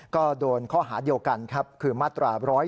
ก็โดนข้อหาเดียวกันครับคือมาตรา๑๑๒